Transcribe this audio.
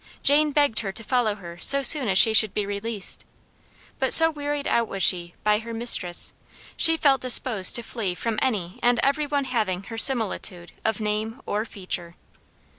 Jane begged her to follow her so soon as she should be released; but so wearied out was she by her mistress, she felt disposed to flee from any and every one having her similitude of name or feature.